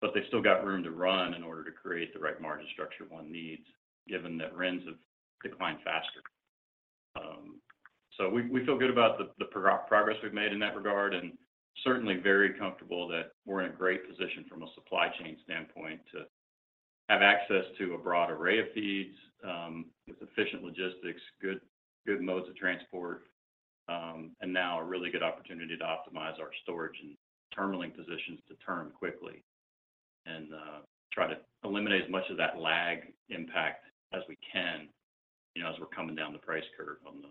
[SPEAKER 6] but they've still got room to run in order to create the right margin structure one needs, given that RINs have declined faster. We feel good about the progress we've made in that regard, and certainly very comfortable that we're in a great position from a supply chain standpoint to have access to a broad array of feeds, with efficient logistics, good, good modes of transport, and now a really good opportunity to optimize our storage and terminaling positions to turn quickly and try to eliminate as much of that lag impact as we can, you know, as we're coming down the price curve on the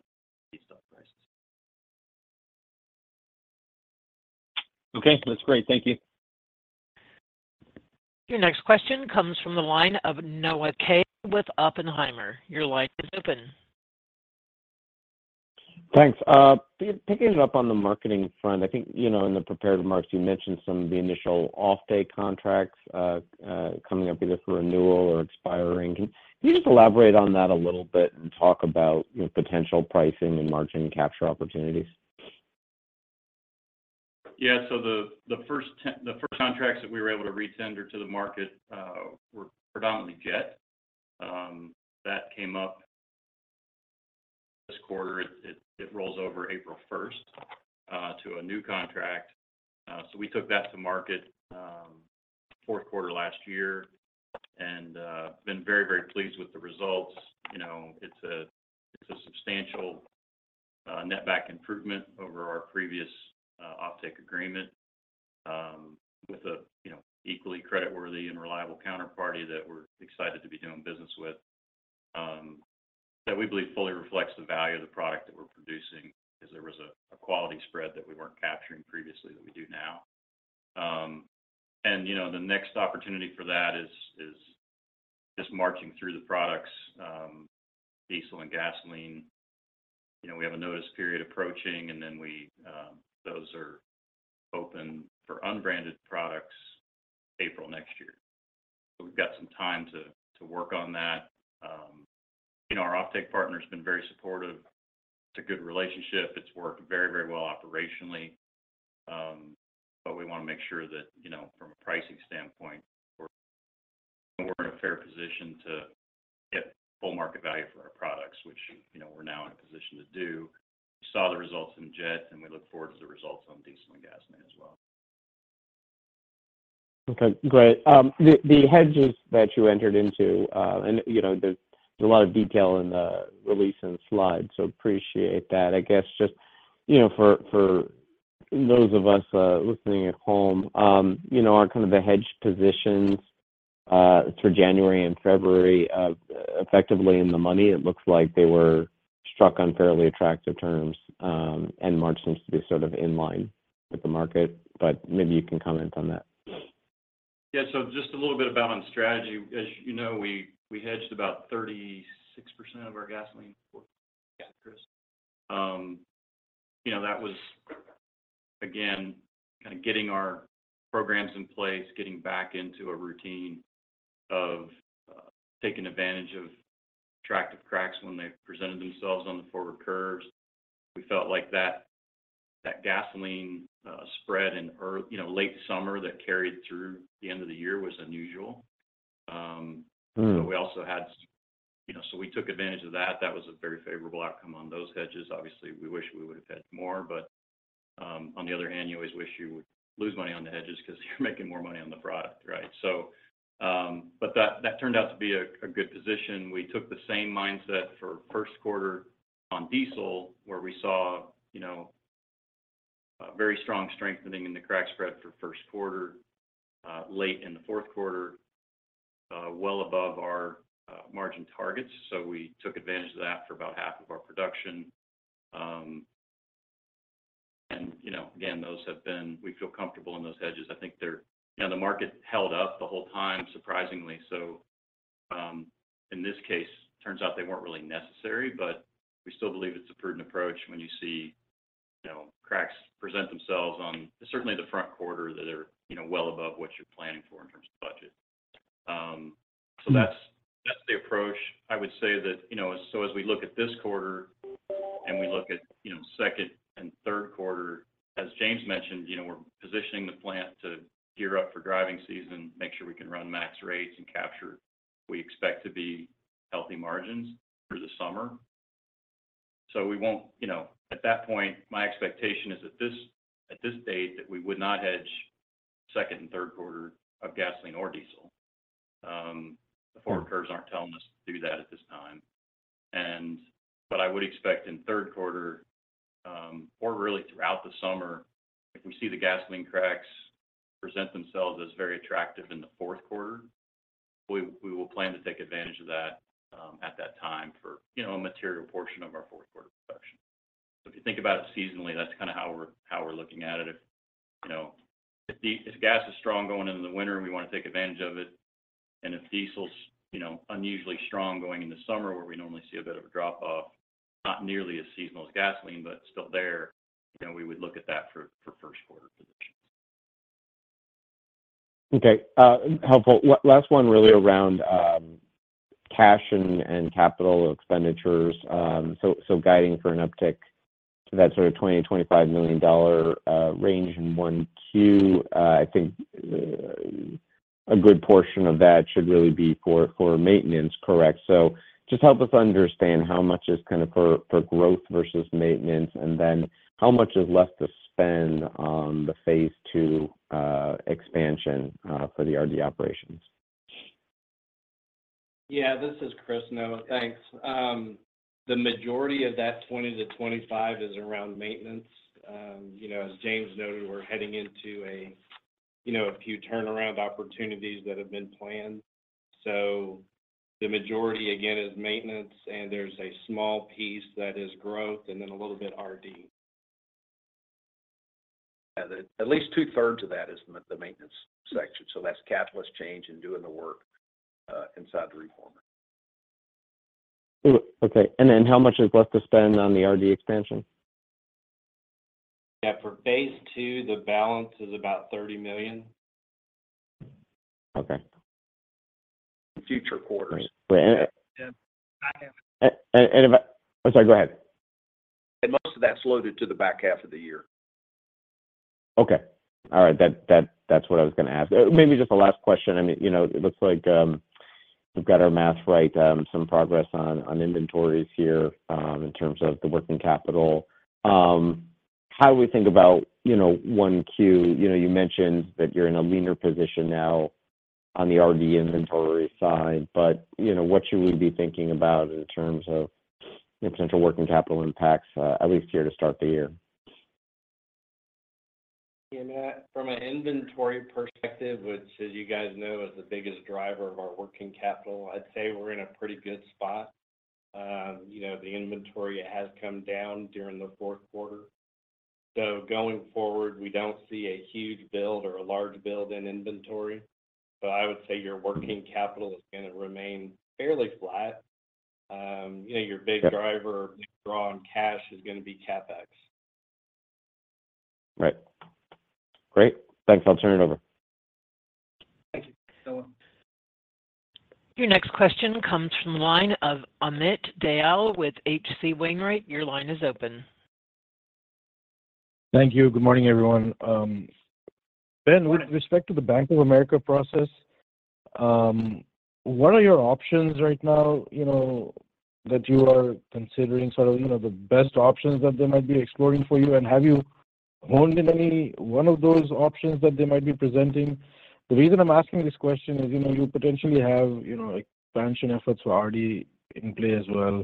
[SPEAKER 6] feedstock prices.
[SPEAKER 8] Okay, that's great. Thank you.
[SPEAKER 1] Your next question comes from the line of Noah Kaye with Oppenheimer. Your line is open.
[SPEAKER 9] Thanks. Picking up on the marketing front, I think, you know, in the prepared remarks, you mentioned some of the initial offtake contracts coming up either for renewal or expiring. Can you just elaborate on that a little bit and talk about the potential pricing and margin capture opportunities?
[SPEAKER 6] Yeah. So the first contracts that we were able to retender to the market were predominantly jet. That came up this quarter. It rolls over April first to a new contract. So we took that to market Q4 last year and been very, very pleased with the results. You know, it's a substantial netback improvement over our previous offtake agreement with a, you know, equally creditworthy and reliable counterparty that we're excited to be doing business with that we believe fully reflects the value of the product that we're producing, because there was a quality spread that we weren't capturing previously that we do now. And, you know, the next opportunity for that is just marching through the products, diesel and gasoline. You know, we have a notice period approaching, and then we, those are open for unbranded products April next year. So we've got some time to, to work on that. You know, our offtake partner has been very supportive. It's a good relationship. It's worked very, very well operationally. But we want to make sure that, you know, from a pricing standpoint, we're, we're in a fair position to get full market value for our products, which, you know, we're now in a position to do. We saw the results in jet, and we look forward to the results on diesel and gasoline as well.
[SPEAKER 9] Okay, great. The hedges that you entered into, and, you know, there's a lot of detail in the release and slides, so appreciate that. I guess just, you know, for those of us listening at home, you know, are kind of the hedge positions through January and February effectively in the money? It looks like they were struck on fairly attractive terms, and March seems to be sort of in line with the market, but maybe you can comment on that.
[SPEAKER 6] Yeah. So just a little bit about on strategy. As you know, we, we hedged about 36% of our gasoline for- yeah, Chris. You know, that was, again, kind of getting our programs in place, getting back into a routine of taking advantage of attractive cracks when they presented themselves on the forward curves. We felt like that, that gasoline spread in early, you know, late summer that carried through the end of the year was unusual.
[SPEAKER 9] Mm.
[SPEAKER 6] So we also had you know, so we took advantage of that. That was a very favorable outcome on those hedges. Obviously, we wish we would have had more, but on the other hand, you always wish you would lose money on the hedges because you're making more money on the product, right? So but that turned out to be a good position. We took the same mindset for Q1 on diesel, where we saw you know, a very strong strengthening in the crack spread for Q1 late in the Q4 well above our margin targets. So we took advantage of that for about half of our production. And you know, again, those have been, we feel comfortable in those hedges. I think they're you know, the market held up the whole time, surprisingly. So, in this case, turns out they weren't really necessary, but we still believe it's a prudent approach when you see, you know, cracks present themselves on certainly the front quarter, that they're, you know, well above what you're planning for in terms of budget. So that's-
[SPEAKER 9] Mm.
[SPEAKER 6] That's the approach. I would say that, you know, as so as we look at this quarter and we look at, you know, Q2 and Q3, as James mentioned, you know, we're positioning the plant to gear up for driving season, make sure we can run max rates and capture what we expect to be healthy margins through the summer. So we won't, you know, at that point, my expectation is at this date, that we would not hedge Q2 and Q3 of gasoline or diesel. The forward curves aren't telling us to do that at this time. But I would expect in Q3, or really throughout the summer, if we see the gasoline cracks present themselves as very attractive in the Q4, we will plan to take advantage of that, at that time for, you know, a material portion of our Q4 production. So if you think about it seasonally, that's kinda how we're looking at it. If, you know, if gas is strong going into the winter, we wanna take advantage of it. If diesel's, you know, unusually strong going in the summer, where we normally see a bit of a drop off, not nearly as seasonal as gasoline, but still there, then we would look at that for Q1 positions.
[SPEAKER 9] Okay, helpful. One last one really around cash and capital expenditures. So guiding for an uptick to that sort of $20 million-$25 million range in 1Q, I think a good portion of that should really be for maintenance, correct? So just help us understand how much is kind of for growth versus maintenance, and then how much is left to spend on the phase II expansion for the RD operations?
[SPEAKER 5] Yeah, this is Chris Noah. Thanks. The majority of that 20-25 is around maintenance. You know, as James noted, we're heading into a, you know, a few turnaround opportunities that have been planned. So the majority, again, is maintenance, and there's a small piece that is growth, and then a little bit RD.
[SPEAKER 6] Yeah, at least two-thirds of that is the maintenance section, so that's catalyst change and doing the work inside the Reformer.
[SPEAKER 9] Okay, and then how much is left to spend on the RD expansion?
[SPEAKER 5] Yeah, for phase II, the balance is about $30 million.
[SPEAKER 9] Okay.
[SPEAKER 6] Future quarters.
[SPEAKER 9] Wait, if I-- I'm sorry, go ahead.
[SPEAKER 6] Most of that's loaded to the back half of the year.
[SPEAKER 9] Okay. All right. That's what I was gonna ask. Maybe just a last question. I mean, you know, it looks like we've got our math right, some progress on inventories here, in terms of the working capital. How do we think about, you know, 1Q? You know, you mentioned that you're in a leaner position now on the RD inventory side, but, you know, what should we be thinking about in terms of potential working capital impacts, at least here to start the year?
[SPEAKER 5] Yeah, Matt, from an inventory perspective, which, as you guys know, is the biggest driver of our working capital, I'd say we're in a pretty good spot. You know, the inventory has come down during the Q4. So going forward, we don't see a huge build or a large build in inventory, but I would say your working capital is gonna remain fairly flat. You know, your big driver-
[SPEAKER 9] Yeah...
[SPEAKER 5] draw on cash is gonna be CapEx.
[SPEAKER 9] Right. Great. Thanks. I'll turn it over.
[SPEAKER 5] Thank you.
[SPEAKER 1] Your next question comes from the line of Amit Dayal with H.C. Wainwright. Your line is open.
[SPEAKER 10] Thank you. Good morning, everyone. Ben, with respect to the Bank of America process, what are your options right now, you know, that you are considering sort of, you know, the best options that they might be exploring for you? And have you honed in any one of those options that they might be presenting? The reason I'm asking this question is, you know, you potentially have, you know, expansion efforts already in play as well,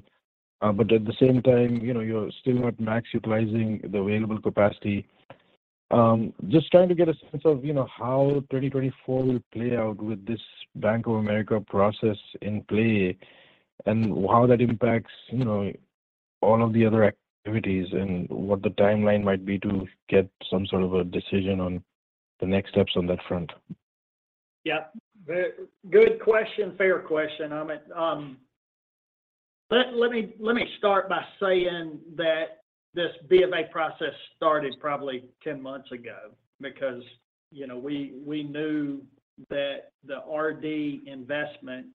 [SPEAKER 10] but at the same time, you know, you're still not max utilizing the available capacity. Just trying to get a sense of, you know, how 2024 will play out with this Bank of America process in play, and how that impacts, you know, all of the other activities, and what the timeline might be to get some sort of a decision on the next steps on that front.
[SPEAKER 3] Yeah. Good question. Fair question, Amit. Let me start by saying that this B of A process started probably 10 months ago, because, you know, we knew that the RD investment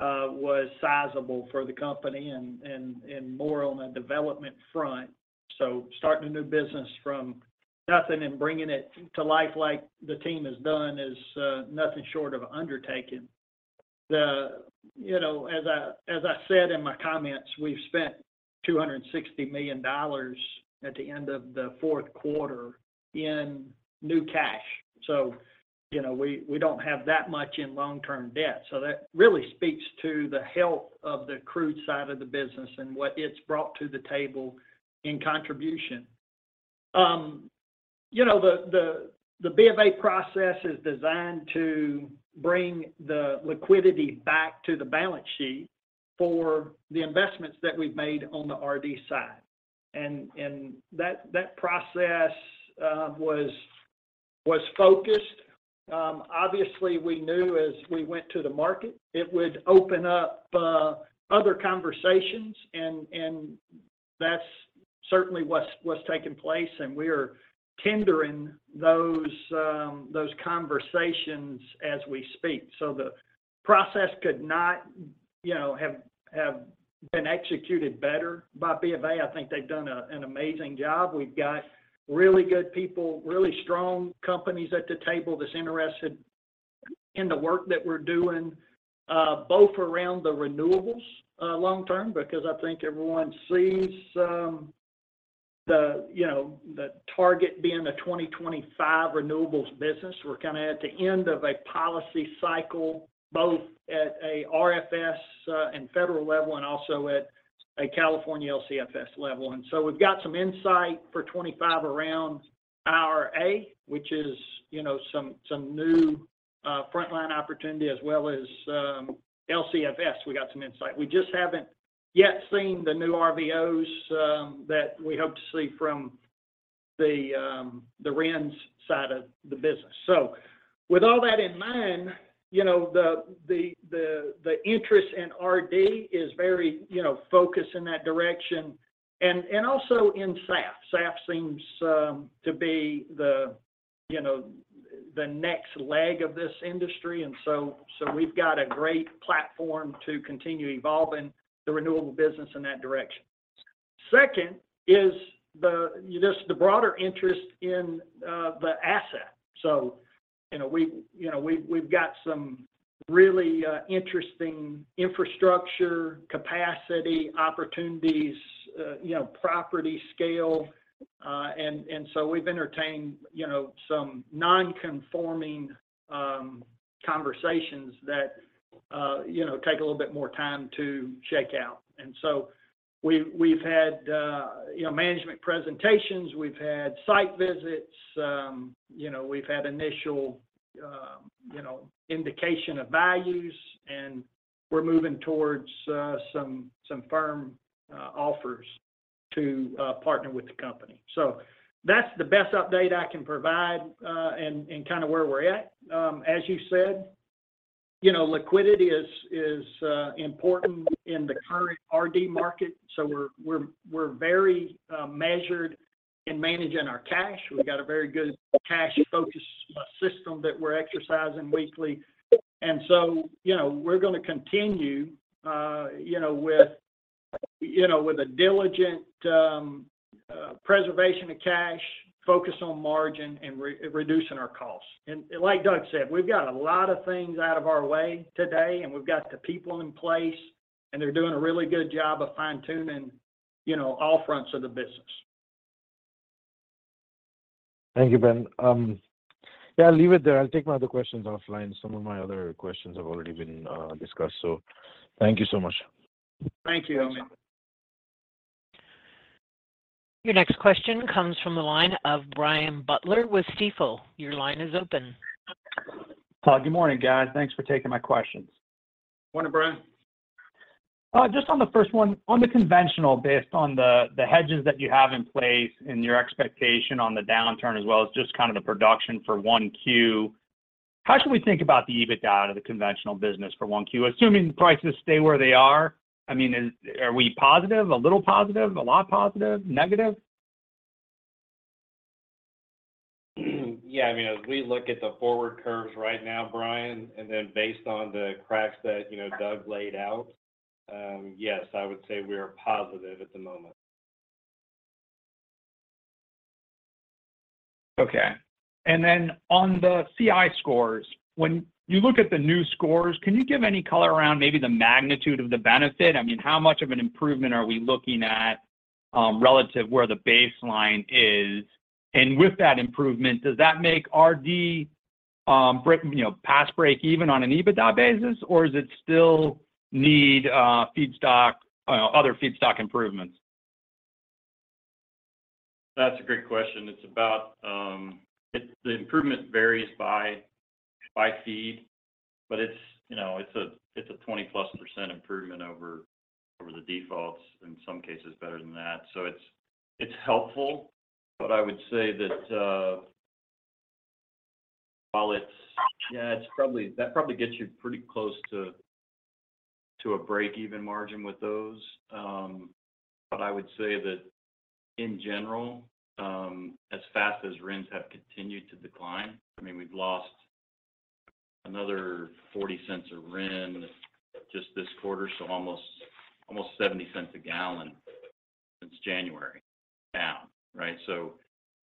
[SPEAKER 3] was sizable for the company and more on the development front. So starting a new business from nothing and bringing it to life like the team has done is nothing short of undertaking. You know, as I said in my comments, we've spent $260 million at the end of the Q4 in new cash, so, you know, we don't have that much in long-term debt. So that really speaks to the health of the crude side of the business and what it's brought to the table in contribution. You know, the Bank of America process is designed to bring the liquidity back to the balance sheet for the investments that we've made on the RD side. That process was focused. Obviously, we knew as we went to the market, it would open up other conversations, and that's certainly what's taken place, and we are tendering those conversations as we speak. So the process could not, you know, have been executed better by Bank of America. I think they've done an amazing job. We've got really good people, really strong companies at the table that's interested in the work that we're doing, both around the renewables, long term, because I think everyone sees the target being a 2025 renewables business. We're kinda at the end of a policy cycle, both at a RFS and federal level, and also at a California LCFS level. So we've got some insight for 25 around ROA, which is, you know, some new frontline opportunity as well as LCFS. We got some insight. We just haven't yet seen the new RVOs that we hope to see from the RINs side of the business. So with all that in mind, you know, the interest in RD is very, you know, focused in that direction, and also in SAF. SAF seems to be the, you know, the next leg of this industry, and so we've got a great platform to continue evolving the renewable business in that direction. Second, is the just the broader interest in the asset. So, you know, we've got some really interesting infrastructure, capacity, opportunities, you know, property scale. And so we've entertained, you know, some non-conforming conversations that you know, take a little bit more time to shake out. And so we've had you know, management presentations, we've had site visits, you know, we've had initial you know, indication of values, and we're moving towards some firm offers to partner with the company. So that's the best update I can provide, and kinda where we're at. As you said, you know, liquidity is important in the current RD market, so we're very measured in managing our cash. We've got a very good cash focus system that we're exercising weekly. And so, you know, we're gonna continue, you know, with a diligent preservation of cash, focus on margin, and reducing our costs. Like Doug said, we've got a lot of things out of our way today, and we've got the people in place, and they're doing a really good job of fine-tuning, you know, all fronts of the business.
[SPEAKER 10] Thank you, Ben. Yeah, I'll leave it there. I'll take my other questions offline. Some of my other questions have already been discussed, so thank you so much.
[SPEAKER 3] Thank you, Amit.
[SPEAKER 1] Your next question comes from the line of Brian Butler with Stifel. Your line is open.
[SPEAKER 11] Hey, good morning, guys. Thanks for taking my questions.
[SPEAKER 3] Morning, Brian.
[SPEAKER 11] Just on the first one, on the conventional, based on the hedges that you have in place and your expectation on the downturn, as well as just kind of the production for 1Q, how should we think about the EBITDA of the conventional business for 1Q? Assuming prices stay where they are, I mean, is—are we positive, a little positive, a lot positive, negative?
[SPEAKER 5] Yeah, I mean, as we look at the forward curves right now, Brian, and then based on the cracks that, you know, Doug laid out, yes, I would say we are positive at the moment.
[SPEAKER 11] Okay. And then on the CI scores, when you look at the new scores, can you give any color around maybe the magnitude of the benefit? I mean, how much of an improvement are we looking at relative to where the baseline is? And with that improvement, does that make RD break, you know, past break even on an EBITDA basis, or does it still need feedstock, other feedstock improvements?
[SPEAKER 5] That's a great question. It's about, the improvement varies by feed, but it's, you know, it's a 20%+ improvement over the defaults, in some cases better than that. So it's helpful, but I would say that, it's probably, that probably gets you pretty close to a break-even margin with those. But I would say that in general, as fast as RINs have continued to decline, I mean, we've lost another $0.40 a RIN just this quarter, so almost $0.70 a gallon since January, down. Right? So,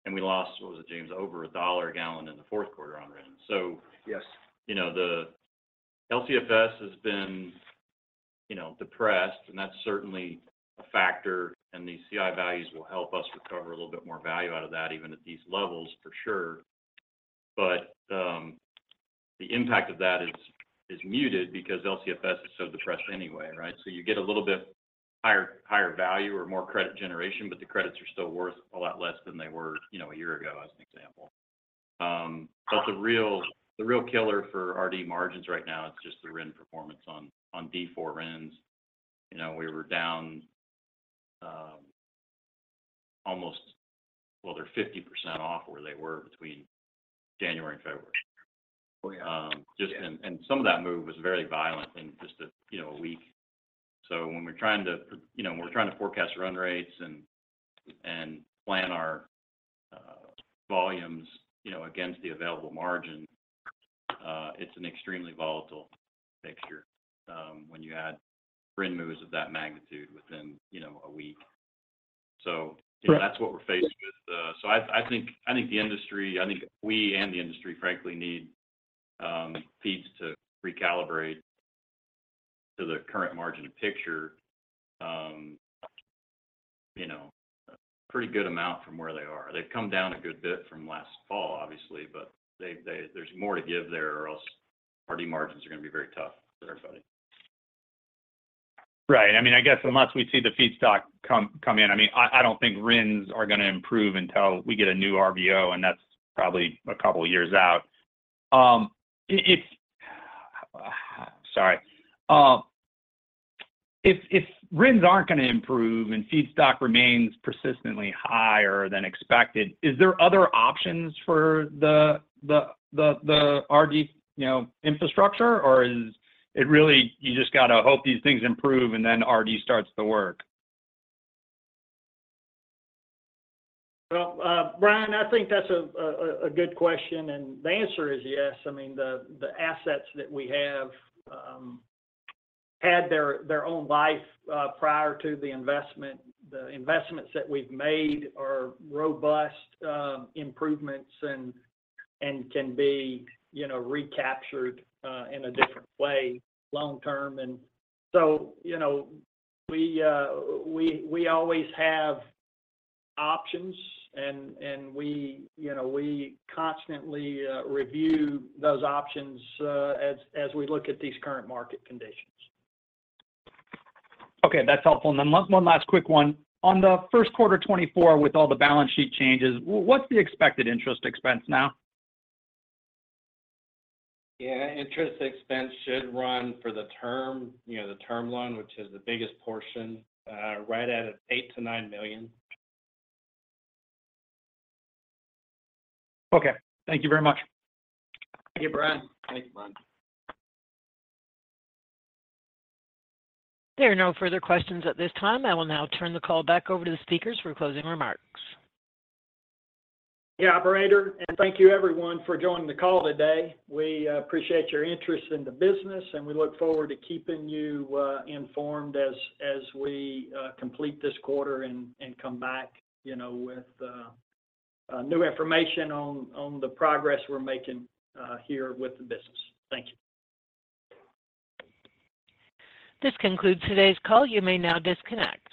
[SPEAKER 5] and we lost, what was it, James? Over $1 a gallon in the Q4 on RINs.
[SPEAKER 4] Yes.
[SPEAKER 5] So, you know, the LCFS has been, you know, depressed, and that's certainly a factor, and the CI values will help us recover a little bit more value out of that, even at these levels, for sure. But the impact of that is muted because LCFS is so depressed anyway, right? So you get a little bit higher value or more credit generation, but the credits are still worth a lot less than they were, you know, a year ago, as an example. But the real killer for RD margins right now, it's just the RIN performance on D4 RINs. You know, we were down almost... Well, they're 50% off where they were between January and February.
[SPEAKER 4] Oh, yeah.
[SPEAKER 5] Um, just-
[SPEAKER 4] Yeah.
[SPEAKER 5] Some of that move was very violent in just a, you know, a week. So when we're trying to, you know, forecast run rates and plan our volumes, you know, against the available margin, it's an extremely volatile picture when you add RIN moves of that magnitude within a week. So, you know, that's what we're faced with. So I think we and the industry, frankly, need feeds to recalibrate to the current margin picture, you know, a pretty good amount from where they are. They've come down a good bit from last fall, obviously, but they, there's more to give there, or else RD margins are gonna be very tough for everybody.
[SPEAKER 11] Right. I mean, I guess unless we see the feedstock come in. I mean, I don't think RINs are gonna improve until we get a new RVO, and that's probably a couple of years out. If RINs aren't gonna improve and feedstock remains persistently higher than expected, is there other options for the RD, you know, infrastructure? Or is it really you just gotta hope these things improve and then RD starts to work?
[SPEAKER 3] Well, Brian, I think that's a good question, and the answer is yes. I mean, the assets that we have had their own life prior to the investment. The investments that we've made are robust improvements and can be, you know, recaptured in a different way long term. And so, you know, we always have options, and we, you know, constantly review those options as we look at these current market conditions.
[SPEAKER 11] Okay, that's helpful. And then one last quick one. On the Q1 2024, with all the balance sheet changes, what's the expected interest expense now?
[SPEAKER 4] Yeah, interest expense should run for the term, you know, the term loan, which is the biggest portion, right out of $8 million-$9 million.
[SPEAKER 11] Okay. Thank you very much.
[SPEAKER 3] Thank you, Brian.
[SPEAKER 4] Thank you, Brian.
[SPEAKER 1] There are no further questions at this time. I will now turn the call back over to the speakers for closing remarks.
[SPEAKER 3] Yeah, operator, and thank you everyone for joining the call today. We appreciate your interest in the business, and we look forward to keeping you informed as we complete this quarter and come back, you know, with new information on the progress we're making here with the business. Thank you.
[SPEAKER 1] This concludes today's call. You may now disconnect.